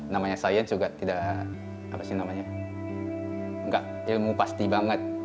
namanya saya juga tidak ilmu pasti banget